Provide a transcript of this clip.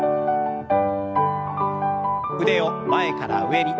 腕を前から上に。